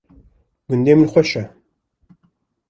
gundê min xweş e